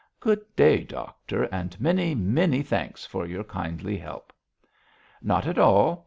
'Good day, doctor, and many, many thanks for your kindly help.' 'Not at all.